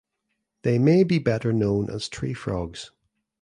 They may be better known as tree frogs.